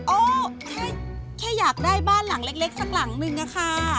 โอ้แค่อยากได้บ้านหลังเล็กสักหลังนึงอะค่ะ